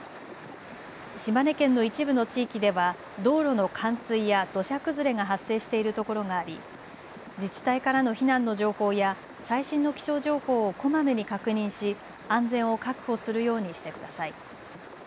島根県の一部の地域では道路の冠水や土砂崩れが発生しているところがあり自治体からの避難の情報や最新の気象情報をこまめに確認し安全を確保するようにしてください。